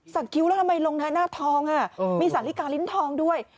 คิ้วแล้วทำไมลงหน้าทองมีสาลิกาลิ้นทองด้วย